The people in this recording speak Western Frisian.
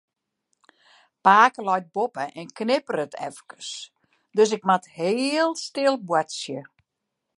Pake leit boppe en knipperet efkes, dus ik moat heel stil boartsje.